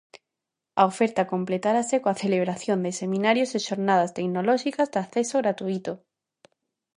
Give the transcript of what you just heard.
A oferta completarase coa celebración de seminarios e xornadas tecnolóxicas de acceso gratuíto.